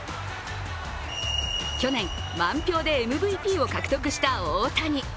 去年、満票でＭＶＰを獲得した大谷。